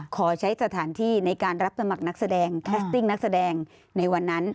ขอใช้สถานที่ในการรับสมัครนักแสดงแคสติ้งนักแสดงในวันนั้น